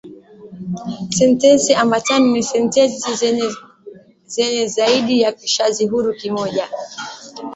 Sentensi ambatano ni sentensi zenye zaidi ya kishazi huru kimoja